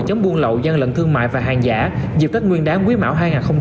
chống buôn lậu gian lận thương mại và hàng giả dịp tết nguyên đáng quý mão hai nghìn hai mươi bốn